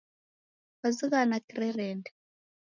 Kwazighana kirerende?